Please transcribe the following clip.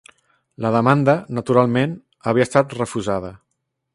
La demanda, naturalment, havia estat refusada.